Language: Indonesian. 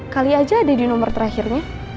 kali aja ada di nomor terakhirnya